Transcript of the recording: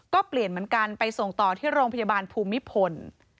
ก็เปลี่ยนเหมือนกันไปส่งต่อที่โรงพยาบาลภูมิพล